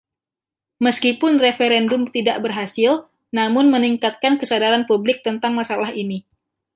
Meskipun referendum tidak berhasil, namun meningkatkan kesadaran publik tentang masalah ini.